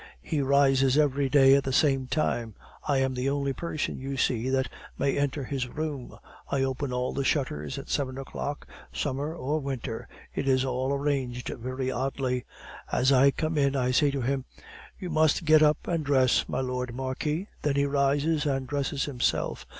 He rises every day at the same time. I am the only person, you see, that may enter his room. I open all the shutters at seven o'clock, summer or winter. It is all arranged very oddly. As I come in I say to him: "'You must get up and dress, my Lord Marquis.' "Then he rises and dresses himself.